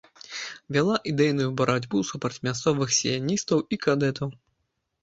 Вяла ідэйную барацьбу супраць мясцовых сіяністаў і кадэтаў.